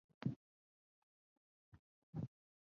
编剧之一的也已签约回归编剧。